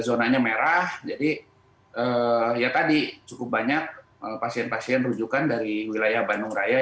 zonanya merah jadi ya tadi cukup banyak pasien pasien rujukan dari wilayah bandung raya